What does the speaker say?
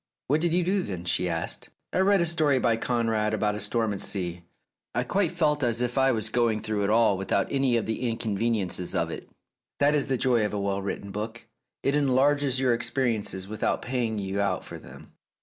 "What did you do, then? " she asked. "I read a story by Conrad about a storm at sea. I quite felt as if I was going through it ali without any of the inconveniences of it. That is the joy of a well written book : it enlarges your experiences without paying you out for them."